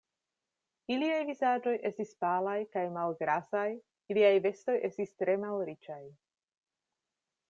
Iliaj vizaĝoj estis palaj kaj malgrasaj, iliaj vestoj estis tre malriĉaj.